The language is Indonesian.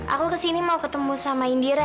aku kesini mau ketemu sama indira